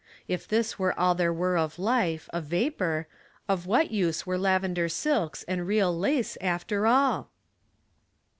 If this were all there were of life — a vapor — of what use were lavender silks and real lace, after all?